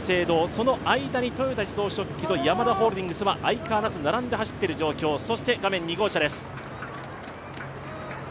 その間に豊田自動織機とヤマダホールディングスは相変わらず並んで走っている状況、画面２号車です。